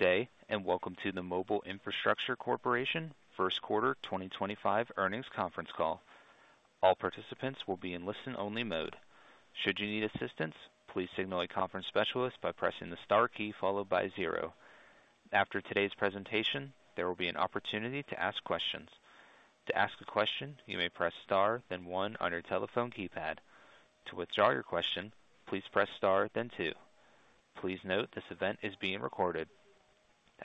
Good day, and welcome to the Mobile Infrastructure Corporation first quarter 2025 earnings conference call. All participants will be in listen-only mode. Should you need assistance, please signal a conference specialist by pressing the star key followed by zero. After today's presentation, there will be an opportunity to ask questions. To ask a question, you may press star, then one on your telephone keypad. To withdraw your question, please press star, then two. Please note this event is being recorded.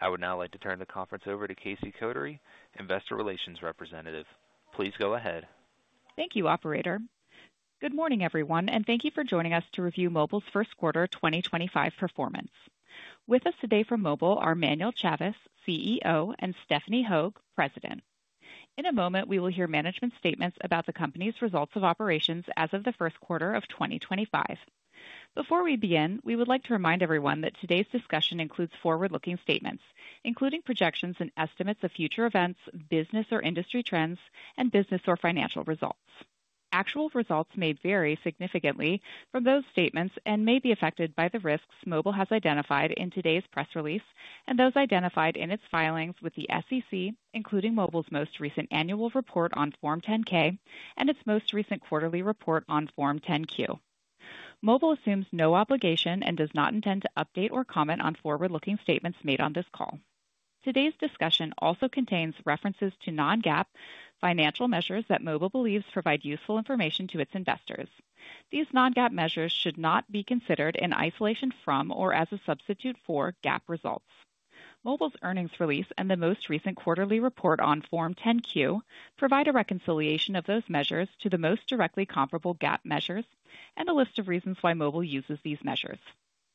I would now like to turn the conference over to Casey Kotary, Investor Relations Representative. Please go ahead. Thank you, Operator. Good morning, everyone, and thank you for joining us to review Mobile Infrastructure Corporation's first quarter 2025 performance. With us today from Mobile are Manuel Chavez, CEO, and Stephanie Hogue, President. In a moment, we will hear management statements about the company's results of operations as of the first quarter of 2025. Before we begin, we would like to remind everyone that today's discussion includes forward-looking statements, including projections and estimates of future events, business or industry trends, and business or financial results. Actual results may vary significantly from those statements and may be affected by the risks Mobile has identified in today's press release and those identified in its filings with the SEC, including Mobile's most recent annual report on Form 10-K and its most recent quarterly report on Form 10-Q. Mobile assumes no obligation and does not intend to update or comment on forward-looking statements made on this call. Today's discussion also contains references to non-GAAP financial measures that Mobile believes provide useful information to its investors. These non-GAAP measures should not be considered in isolation from or as a substitute for GAAP results. Mobile's earnings release and the most recent quarterly report on Form 10-Q provide a reconciliation of those measures to the most directly comparable GAAP measures and a list of reasons why Mobile uses these measures.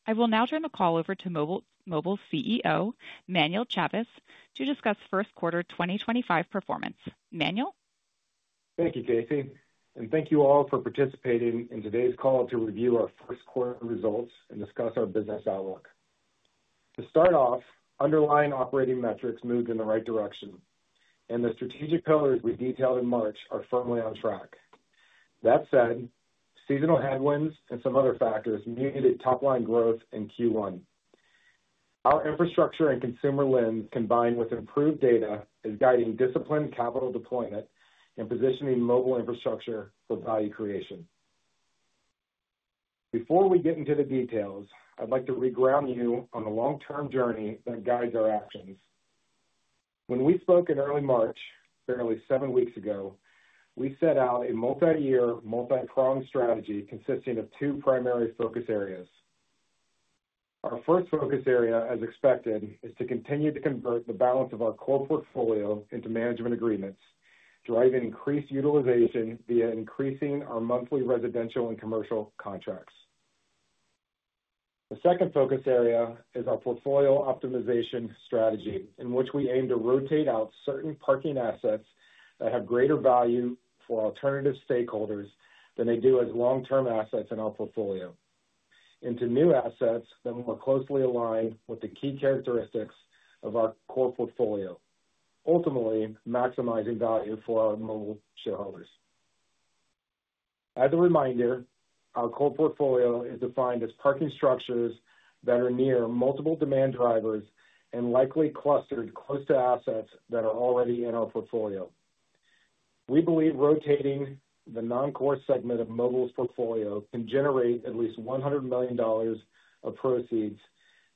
I will now turn the call over to Mobile's CEO, Manuel Chavez, to discuss first quarter 2025 performance. Manuel? Thank you, Casey. Thank you all for participating in today's call to review our first quarter results and discuss our business outlook. To start off, underlying operating metrics moved in the right direction, and the strategic pillars we detailed in March are firmly on track. That said, seasonal headwinds and some other factors muted top-line growth in Q1. Our infrastructure and consumer lens, combined with improved data, is guiding disciplined capital deployment and positioning Mobile Infrastructure for value creation. Before we get into the details, I'd like to reground you on the long-term journey that guides our actions. When we spoke in early March, barely seven weeks ago, we set out a multi-year, multi-pronged strategy consisting of two primary focus areas. Our first focus area, as expected, is to continue to convert the balance of our core portfolio into management agreements, driving increased utilization via increasing our monthly residential and commercial contracts. The second focus area is our portfolio optimization strategy, in which we aim to rotate out certain parking assets that have greater value for alternative stakeholders than they do as long-term assets in our portfolio, into new assets that more closely align with the key characteristics of our core portfolio, ultimately maximizing value for our Mobile shareholders. As a reminder, our core portfolio is defined as parking structures that are near multiple demand drivers and likely clustered close to assets that are already in our portfolio. We believe rotating the non-core segment of Mobile's portfolio can generate at least $100 million of proceeds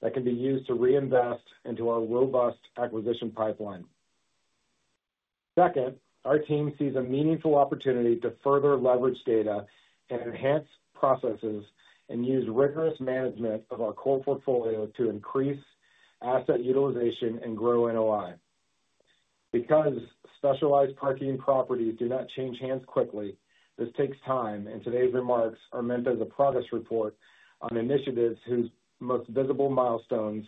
that can be used to reinvest into our robust acquisition pipeline. Second, our team sees a meaningful opportunity to further leverage data and enhance processes and use rigorous management of our core portfolio to increase asset utilization and grow NOI. Because specialized parking properties do not change hands quickly, this takes time, and today's remarks are meant as a progress report on initiatives whose most visible milestones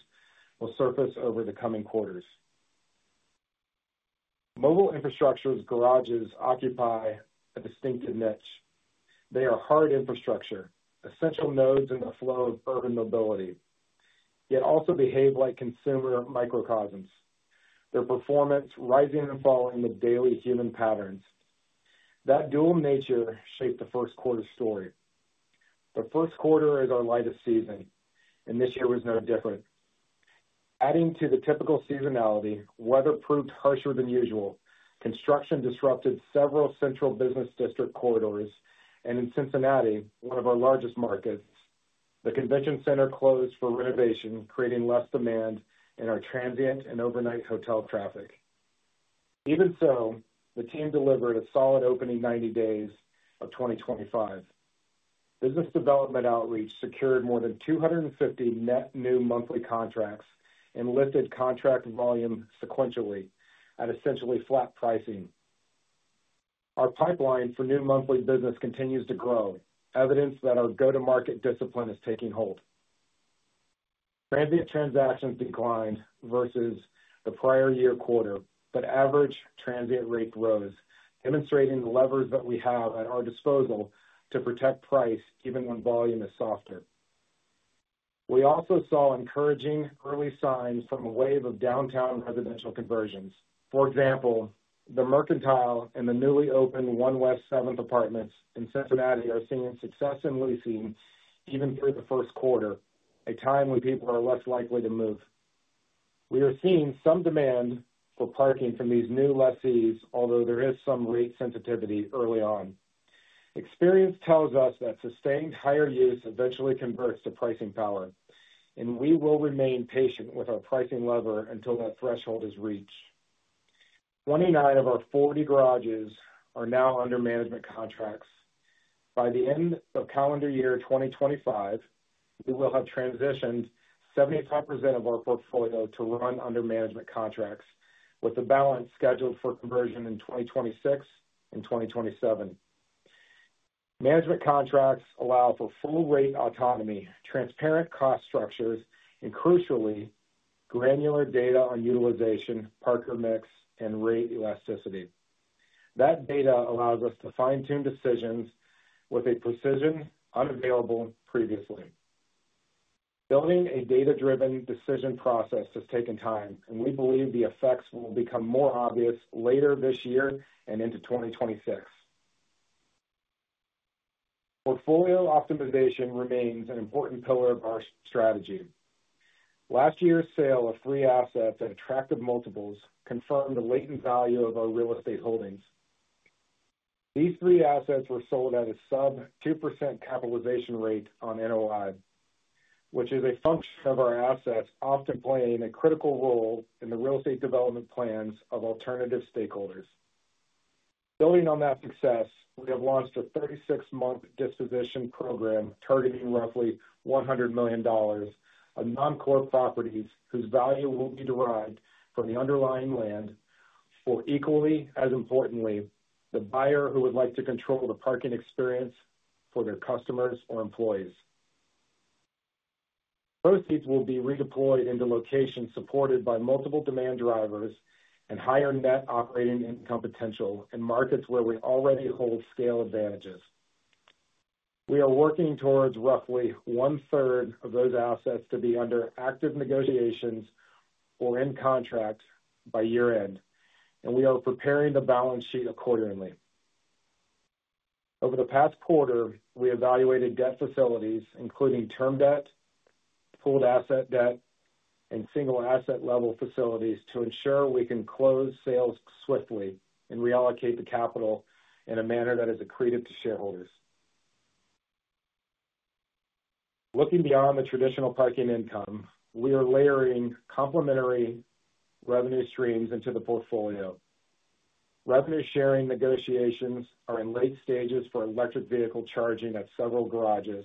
will surface over the coming quarters. Mobile Infrastructure's garages occupy a distinctive niche. They are hard infrastructure, essential nodes in the flow of urban mobility, yet also behave like consumer microcosms. Their performance rises and falls with daily human patterns. That dual nature shaped the first quarter story. The first quarter is our lightest season, and this year was no different. Adding to the typical seasonality, weather proved harsher than usual. Construction disrupted several central business district corridors, and in Cincinnati, one of our largest markets, the convention center closed for renovation, creating less demand in our transient and overnight hotel traffic. Even so, the team delivered a solid opening 90 days of 2025. Business development outreach secured more than 250 net new monthly contracts and lifted contract volume sequentially at essentially flat pricing. Our pipeline for new monthly business continues to grow, evidence that our go-to-market discipline is taking hold. Transient transactions declined versus the prior year quarter, but average transient rate rose, demonstrating the levers that we have at our disposal to protect price even when volume is softer. We also saw encouraging early signs from a wave of downtown residential conversions. For example, the Mercantile and the newly opened 1 West 7th Apartments in Cincinnati are seeing success in leasing even through the first quarter, a time when people are less likely to move. We are seeing some demand for parking from these new lessees, although there is some rate sensitivity early on. Experience tells us that sustained higher use eventually converts to pricing power, and we will remain patient with our pricing lever until that threshold is reached. Twenty-nine of our 40 garages are now under management contracts. By the end of calendar year 2025, we will have transitioned 75% of our portfolio to run under management contracts, with the balance scheduled for conversion in 2026 and 2027. Management contracts allow for full rate autonomy, transparent cost structures, and crucially, granular data on utilization, parker mix, and rate elasticity. That data allows us to fine-tune decisions with a precision unavailable previously. Building a data-driven decision process has taken time, and we believe the effects will become more obvious later this year and into 2026. Portfolio optimization remains an important pillar of our strategy. Last year's sale of three assets at attractive multiples confirmed the latent value of our real estate holdings. These three assets were sold at a sub-2% capitalization rate on NOI, which is a function of our assets often playing a critical role in the real estate development plans of alternative stakeholders. Building on that success, we have launched a 36-month disposition program targeting roughly $100 million of non-core properties whose value will be derived from the underlying land for, equally as importantly, the buyer who would like to control the parking experience for their customers or employees. Proceeds will be redeployed into locations supported by multiple demand drivers and higher net operating income potential in markets where we already hold scale advantages. We are working towards roughly one-third of those assets to be under active negotiations or in contract by year-end, and we are preparing the balance sheet accordingly. Over the past quarter, we evaluated debt facilities, including term debt, pooled asset debt, and single asset-level facilities, to ensure we can close sales swiftly and reallocate the capital in a manner that is accretive to shareholders. Looking beyond the traditional parking income, we are layering complementary revenue streams into the portfolio. Revenue-sharing negotiations are in late stages for electric vehicle charging at several garages,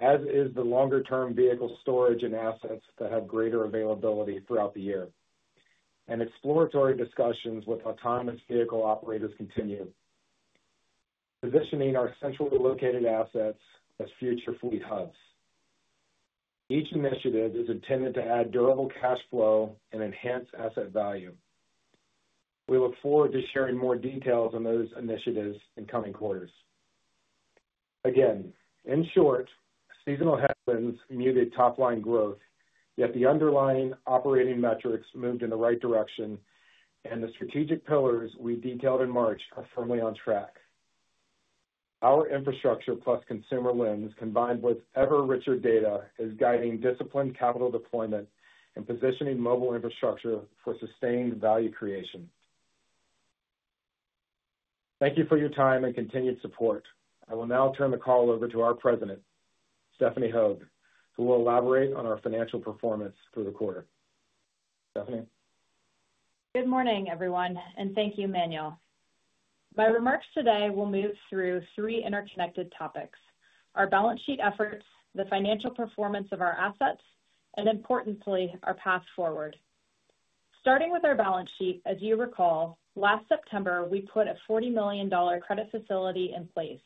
as is the longer-term vehicle storage and assets that have greater availability throughout the year. Exploratory discussions with autonomous vehicle operators continue, positioning our centrally located assets as future fleet hubs. Each initiative is intended to add durable cash flow and enhance asset value. We look forward to sharing more details on those initiatives in coming quarters. Again, in short, seasonal headwinds muted top-line growth, yet the underlying operating metrics moved in the right direction, and the strategic pillars we detailed in March are firmly on track. Our infrastructure plus consumer lens, combined with ever-richer data, is guiding disciplined capital deployment and positioning Mobile Infrastructure for sustained value creation. Thank you for your time and continued support. I will now turn the call over to our President, Stephanie Hogue, who will elaborate on our financial performance through the quarter. Stephanie? Good morning, everyone, and thank you, Manuel. My remarks today will move through three interconnected topics: our balance sheet efforts, the financial performance of our assets, and importantly, our path forward. Starting with our balance sheet, as you recall, last September, we put a $40 million credit facility in place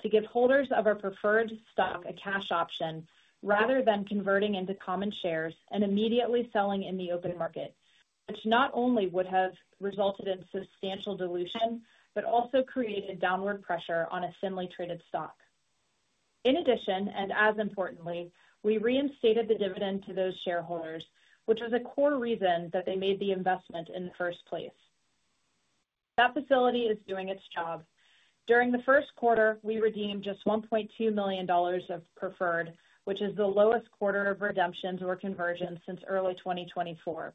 to give holders of our preferred stock a cash option rather than converting into common shares and immediately selling in the open market, which not only would have resulted in substantial dilution but also created downward pressure on a thinly traded stock. In addition, and as importantly, we reinstated the dividend to those shareholders, which was a core reason that they made the investment in the first place. That facility is doing its job. During the first quarter, we redeemed just $1.2 million of preferred, which is the lowest quarter of redemptions or conversions since early 2024.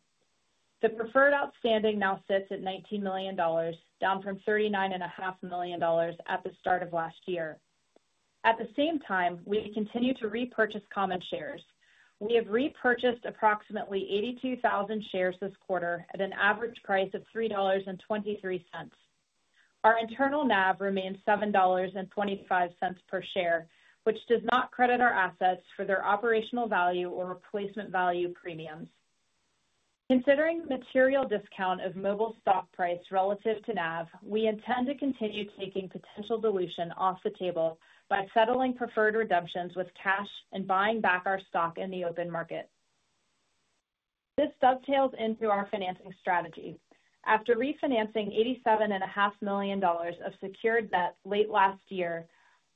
The preferred outstanding now sits at $19 million, down from $39.5 million at the start of last year. At the same time, we continue to repurchase common shares. We have repurchased approximately 82,000 shares this quarter at an average price of $3.23. Our internal NAV remains $7.25 per share, which does not credit our assets for their operational value or replacement value premiums. Considering the material discount of Mobile stock price relative to NAV, we intend to continue taking potential dilution off the table by settling preferred redemptions with cash and buying back our stock in the open market. This dovetails into our financing strategy. After refinancing $87.5 million of secured debt late last year,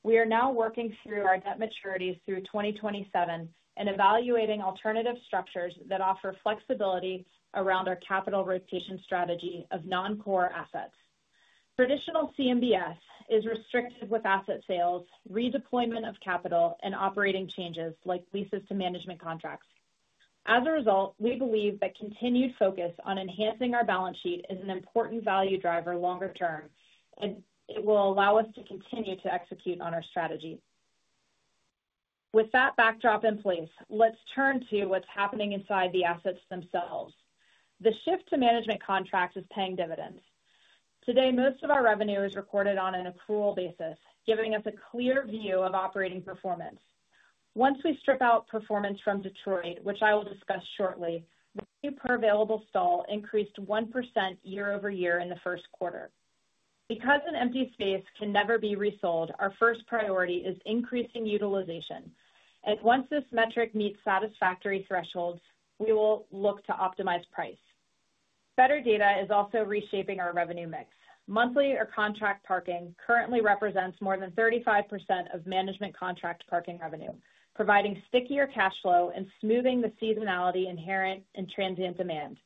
we are now working through our debt maturities through 2027 and evaluating alternative structures that offer flexibility around our capital rotation strategy of non-core assets. Traditional CMBS is restricted with asset sales, redeployment of capital, and operating changes like leases to management contracts. As a result, we believe that continued focus on enhancing our balance sheet is an important value driver longer term, and it will allow us to continue to execute on our strategy. With that backdrop in place, let's turn to what's happening inside the assets themselves. The shift to management contracts is paying dividends. Today, most of our revenue is recorded on an accrual basis, giving us a clear view of operating performance. Once we strip out performance from Detroit, which I will discuss shortly, the new per-available stall increased 1% year-over-year in the first quarter. Because an empty space can never be resold, our first priority is increasing utilization. Once this metric meets satisfactory thresholds, we will look to optimize price. Better data is also reshaping our revenue mix. Monthly or contract parking currently represents more than 35% of management contract parking revenue, providing stickier cash flow and smoothing the seasonality inherent in transient demand.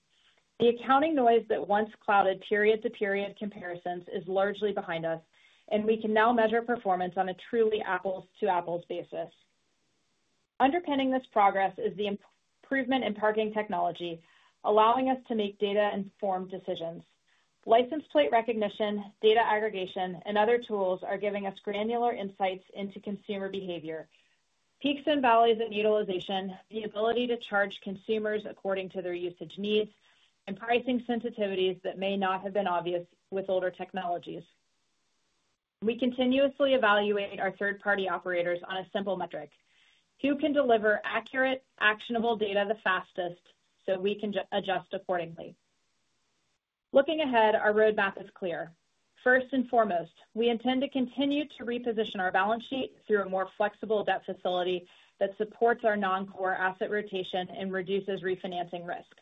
The accounting noise that once clouded period-to-period comparisons is largely behind us, and we can now measure performance on a truly apples-to-apples basis. Underpinning this progress is the improvement in parking technology, allowing us to make data-informed decisions. License plate recognition, data aggregation, and other tools are giving us granular insights into consumer behavior, peaks and valleys in utilization, the ability to charge consumers according to their usage needs, and pricing sensitivities that may not have been obvious with older technologies. We continuously evaluate our third-party operators on a simple metric: who can deliver accurate, actionable data the fastest so we can adjust accordingly. Looking ahead, our roadmap is clear. First and foremost, we intend to continue to reposition our balance sheet through a more flexible debt facility that supports our non-core asset rotation and reduces refinancing risk.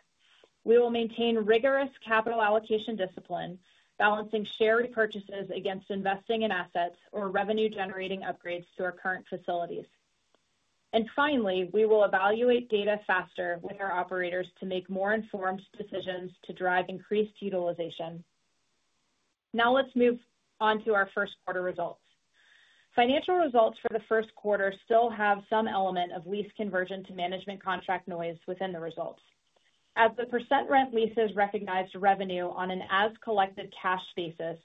We will maintain rigorous capital allocation discipline, balancing share repurchases against investing in assets or revenue-generating upgrades to our current facilities. Finally, we will evaluate data faster with our operators to make more informed decisions to drive increased utilization. Now let's move on to our first quarter results. Financial results for the first quarter still have some element of lease conversion to management contract noise within the results. As the percent rent leases recognized revenue on an as-collected cash basis,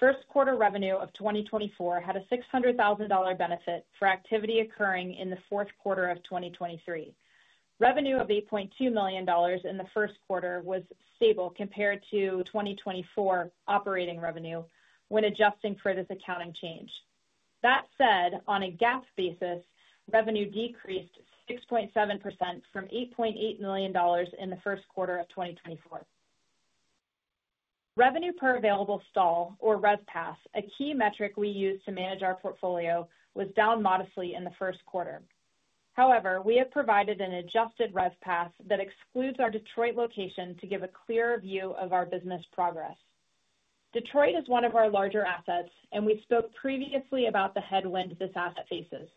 first quarter revenue of 2024 had a $600,000 benefit for activity occurring in the fourth quarter of 2023. Revenue of $8.2 million in the first quarter was stable compared to 2024 operating revenue when adjusting for this accounting change. That said, on a GAAP basis, revenue decreased 6.7% from $8.8 million in the first quarter of 2024. Revenue per available stall, or RevPAS, a key metric we use to manage our portfolio, was down modestly in the first quarter. However, we have provided an adjusted RevPAS that excludes our Detroit location to give a clearer view of our business progress. Detroit is one of our larger assets, and we spoke previously about the headwind this asset faces,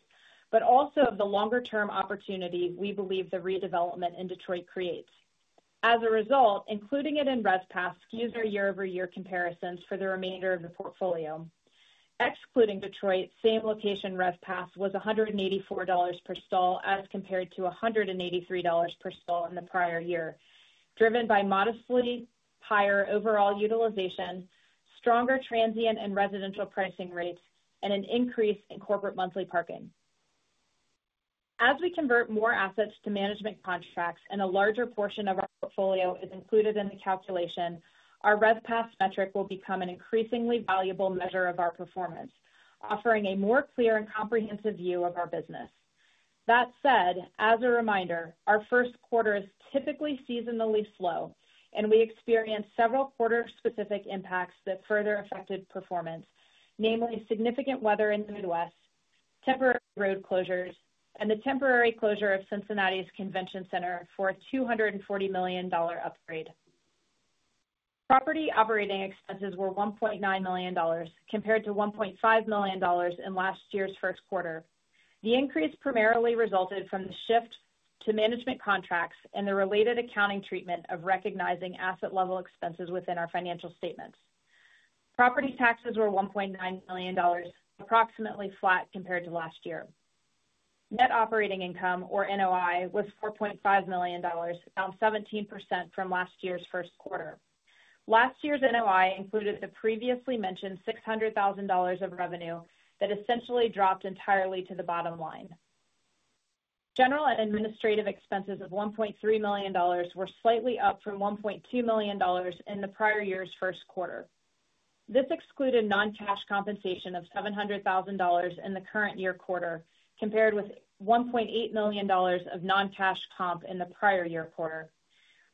but also of the longer-term opportunity we believe the redevelopment in Detroit creates. As a result, including it in RevPAS skews our year-over-year comparisons for the remainder of the portfolio. Excluding Detroit, same location RevPAS was $184 per stall as compared to $183 per stall in the prior year, driven by modestly higher overall utilization, stronger transient and residential pricing rates, and an increase in corporate monthly parking. As we convert more assets to management contracts and a larger portion of our portfolio is included in the calculation, our RevPAS metric will become an increasingly valuable measure of our performance, offering a more clear and comprehensive view of our business. That said, as a reminder, our first quarter is typically seasonally slow, and we experienced several quarter-specific impacts that further affected performance, namely significant weather in the Midwest, temporary road closures, and the temporary closure of Cincinnati's Convention Center for a $240 million upgrade. Property operating expenses were $1.9 million compared to $1.5 million in last year's first quarter. The increase primarily resulted from the shift to management contracts and the related accounting treatment of recognizing asset-level expenses within our financial statements. Property taxes were $1.9 million, approximately flat compared to last year. Net operating income, or NOI, was $4.5 million, down 17% from last year's first quarter. Last year's NOI included the previously mentioned $600,000 of revenue that essentially dropped entirely to the bottom line. General and administrative expenses of $1.3 million were slightly up from $1.2 million in the prior year's first quarter. This excluded non-cash compensation of $700,000 in the current year quarter compared with $1.8 million of non-cash comp in the prior year quarter.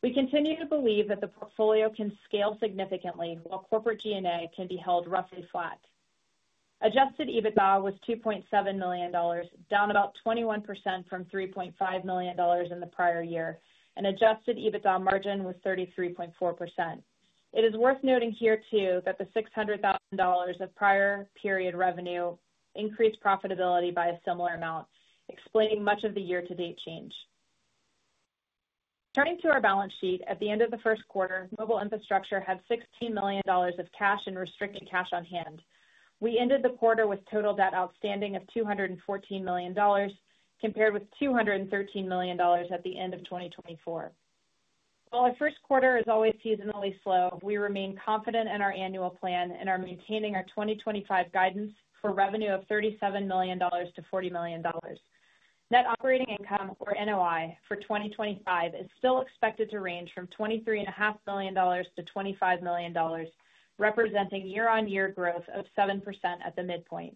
We continue to believe that the portfolio can scale significantly while corporate G&A can be held roughly flat. Adjusted EBITDA was $2.7 million, down about 21% from $3.5 million in the prior year, and adjusted EBITDA margin was 33.4%. It is worth noting here, too, that the $600,000 of prior-period revenue increased profitability by a similar amount, explaining much of the year-to-date change. Turning to our balance sheet, at the end of the first quarter, Mobile Infrastructure had $16 million of cash and restricted cash on hand. We ended the quarter with total debt outstanding of $214 million compared with $213 million at the end of 2024. While our first quarter is always seasonally slow, we remain confident in our annual plan and are maintaining our 2025 guidance for revenue of $37 million-$40 million. Net operating income, or NOI, for 2025 is still expected to range from $23.5 million-$25 million, representing year-on-year growth of 7% at the midpoint.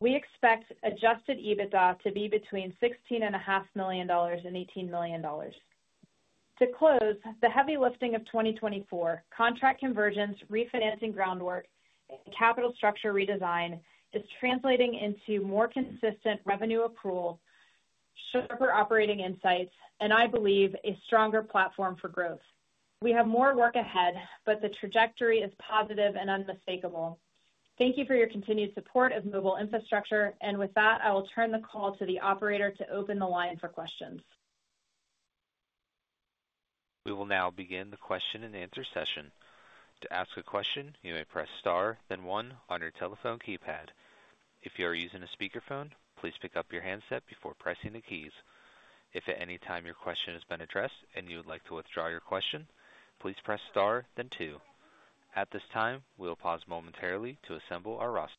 We expect adjusted EBITDA to be between $16.5 million-$18 million. To close, the heavy lifting of 2024, contract conversions, refinancing groundwork, and capital structure redesign is translating into more consistent revenue accrual, sharper operating insights, and I believe a stronger platform for growth. We have more work ahead, but the trajectory is positive and unmistakable. Thank you for your continued support of Mobile Infrastructure, and with that, I will turn the call to the operator to open the line for questions. We will now begin the question-and-answer session. To ask a question, you may press star, then 1 on your telephone keypad. If you are using a speakerphone, please pick up your handset before pressing the keys. If at any time your question has been addressed and you would like to withdraw your question, please press star, then 2. At this time, we'll pause momentarily to assemble our roster.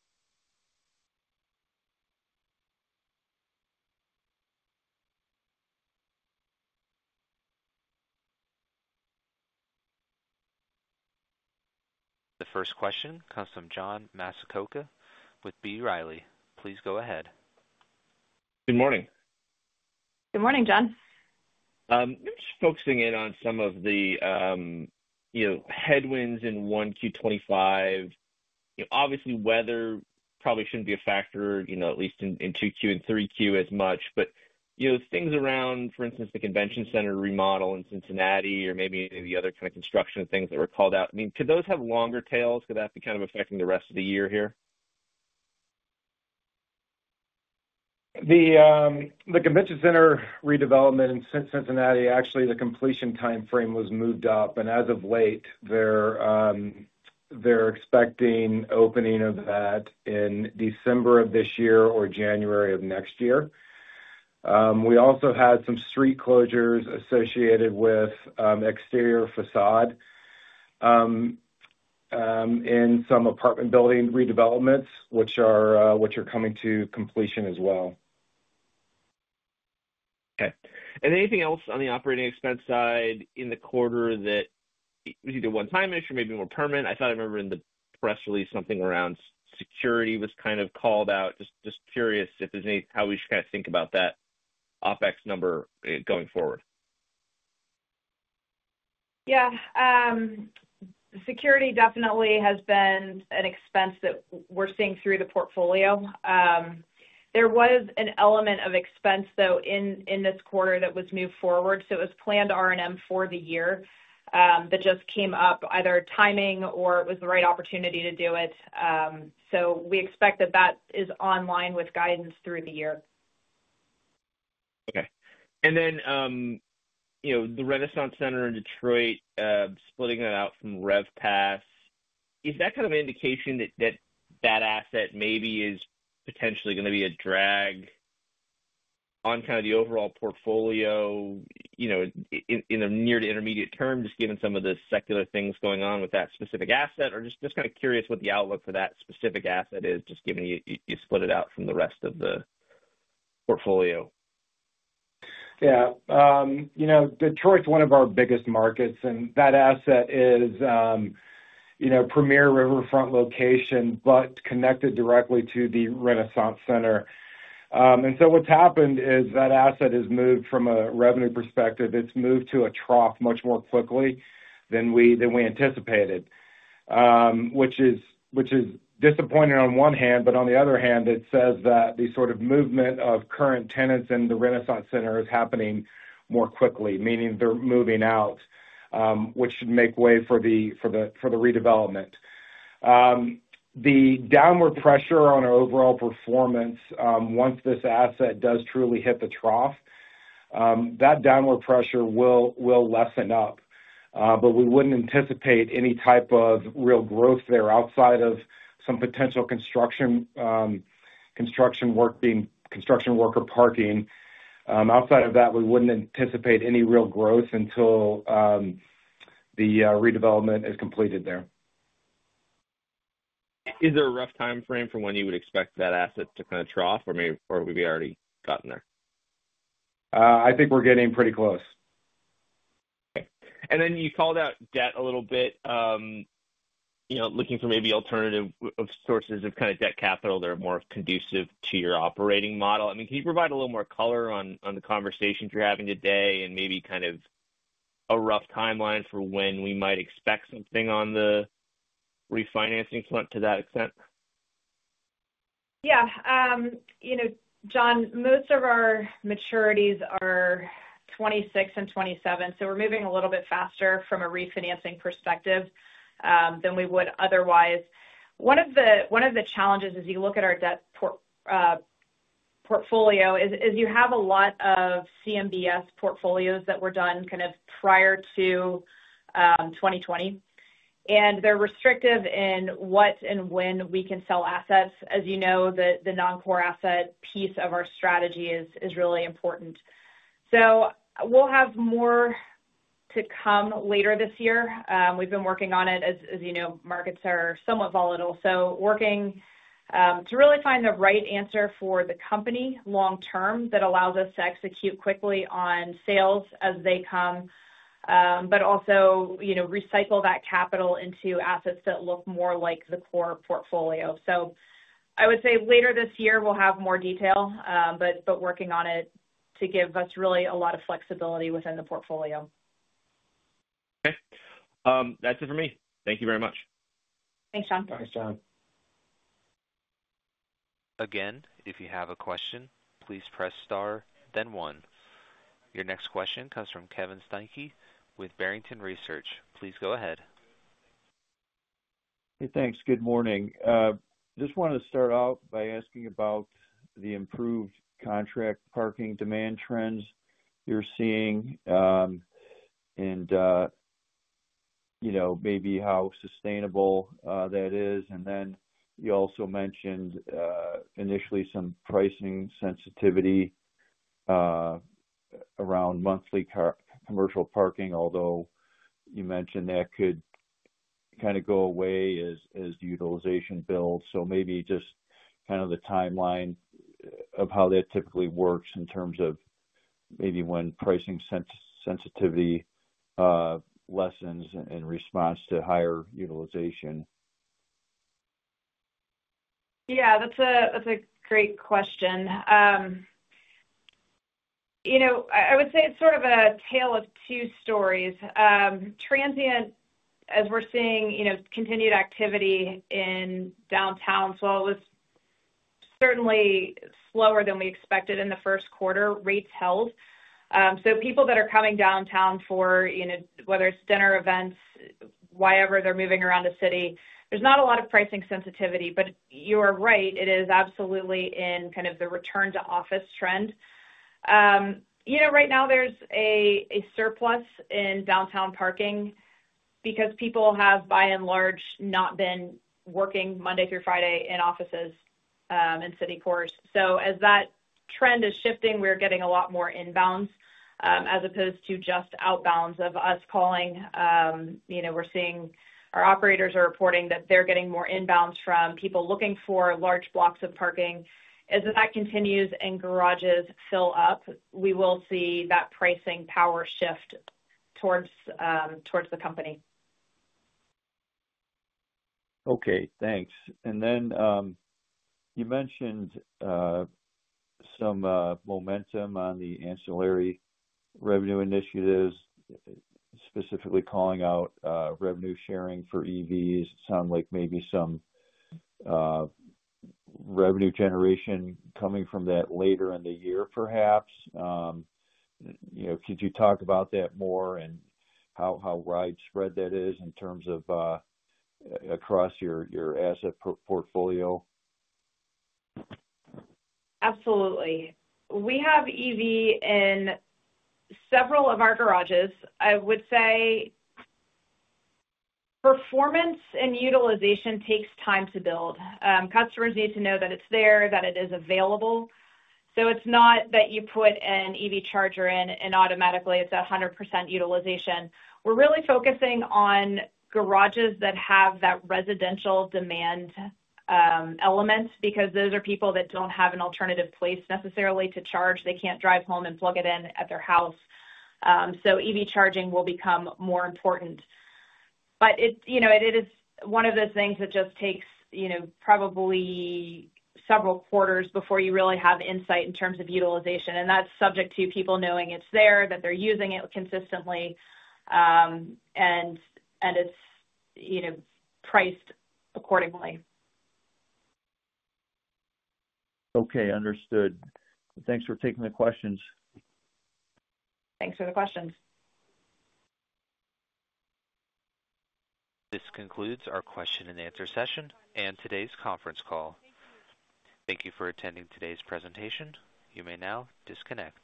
The first question comes from John Massocca with B. Riley. Please go ahead. Good morning. Good morning, John. I'm just focusing in on some of the headwinds in 1Q 2025. Obviously, weather probably shouldn't be a factor, at least in 2Q and 3Q as much. But things around, for instance, the Convention Center remodel in Cincinnati or maybe any of the other kind of construction things that were called out, I mean, could those have longer tails? Could that be kind of affecting the rest of the year here? The Convention Center redevelopment in Cincinnati, actually, the completion timeframe was moved up, and as of late, they're expecting opening of that in December of this year or January of next year. We also had some street closures associated with exterior facade in some apartment building redevelopments, which are coming to completion as well. Okay. Anything else on the operating expense side in the quarter that was either one-time-ish or maybe more permanent? I thought I remember in the press release something around security was kind of called out. Just curious if there's any how we should kind of think about that OpEx number going forward. Yeah. Security definitely has been an expense that we're seeing through the portfolio. There was an element of expense, though, in this quarter that was moved forward. It was planned R&M for the year that just came up, either timing or it was the right opportunity to do it. We expect that that is online with guidance through the year. Okay. The Renaissance Center in Detroit, splitting that out from RevPAS, is that kind of an indication that that asset maybe is potentially going to be a drag on kind of the overall portfolio in the near to intermediate term, just given some of the secular things going on with that specific asset? Just kind of curious what the outlook for that specific asset is, just given you split it out from the rest of the portfolio. Yeah. Detroit's one of our biggest markets, and that asset is premier riverfront location, but connected directly to the Renaissance Center. What's happened is that asset has moved from a revenue perspective. It's moved to a trough much more quickly than we anticipated, which is disappointing on one hand, but on the other hand, it says that the sort of movement of current tenants in the Renaissance Center is happening more quickly, meaning they're moving out, which should make way for the redevelopment. The downward pressure on our overall performance, once this asset does truly hit the trough, that downward pressure will lessen up. We wouldn't anticipate any type of real growth there outside of some potential construction work being construction work or parking. Outside of that, we wouldn't anticipate any real growth until the redevelopment is completed there. Is there a rough timeframe for when you would expect that asset to kind of trough, or maybe we've already gotten there? I think we're getting pretty close. Okay. You called out debt a little bit, looking for maybe alternative sources of kind of debt capital that are more conducive to your operating model. I mean, can you provide a little more color on the conversation you're having today and maybe kind of a rough timeline for when we might expect something on the refinancing front to that extent? Yeah. John, most of our maturities are 2026 and 2027, so we're moving a little bit faster from a refinancing perspective than we would otherwise. One of the challenges as you look at our debt portfolio is you have a lot of CMBS portfolios that were done kind of prior to 2020, and they're restrictive in what and when we can sell assets. As you know, the non-core asset piece of our strategy is really important. We'll have more to come later this year. We've been working on it. As you know, markets are somewhat volatile. Working to really find the right answer for the company long-term that allows us to execute quickly on sales as they come, but also recycle that capital into assets that look more like the core portfolio. I would say later this year, we'll have more detail, but working on it to give us really a lot of flexibility within the portfolio. Okay. That's it for me. Thank you very much. Thanks, John. Thanks, John. Again, if you have a question, please press star, then 1. Your next question comes from Kevin Steinke with Barrington Research. Please go ahead. Hey, thanks. Good morning. Just wanted to start out by asking about the improved contract parking demand trends you're seeing and maybe how sustainable that is. You also mentioned initially some pricing sensitivity around monthly commercial parking, although you mentioned that could kind of go away as the utilization builds. Maybe just kind of the timeline of how that typically works in terms of maybe when pricing sensitivity lessens in response to higher utilization. Yeah. That's a great question. I would say it's sort of a tale of two stories. Transient, as we're seeing continued activity in downtown, while it was certainly slower than we expected in the first quarter, rates held. So people that are coming downtown for whether it's dinner events, whyever they're moving around the city, there's not a lot of pricing sensitivity. But you are right. It is absolutely in kind of the return-to-office trend. Right now, there's a surplus in downtown parking because people have, by and large, not been working Monday through Friday in offices in city cores. As that trend is shifting, we're getting a lot more inbounds as opposed to just outbounds of us calling. We're seeing our operators are reporting that they're getting more inbounds from people looking for large blocks of parking. As that continues and garages fill up, we will see that pricing power shift towards the company. Okay. Thanks. You mentioned some momentum on the ancillary revenue initiatives, specifically calling out revenue sharing for EVs. It sounds like maybe some revenue generation coming from that later in the year, perhaps. Could you talk about that more and how widespread that is in terms of across your asset portfolio? Absolutely. We have EV in several of our garages. I would say performance and utilization takes time to build. Customers need to know that it's there, that it is available. It's not that you put an EV charger in and automatically it's at 100% utilization. We're really focusing on garages that have that residential demand element because those are people that don't have an alternative place necessarily to charge. They can't drive home and plug it in at their house. EV charging will become more important. It is one of those things that just takes probably several quarters before you really have insight in terms of utilization. That is subject to people knowing it's there, that they're using it consistently, and it's priced accordingly. Okay. Understood. Thanks for taking the questions. Thanks for the questions. This concludes our question-and-answer session and today's conference call. Thank you for attending today's presentation. You may now disconnect.